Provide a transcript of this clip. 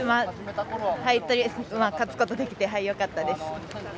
勝つことができてよかったです。